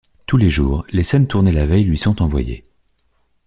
Tous les jours, les scènes tournées la veille lui sont envoyées.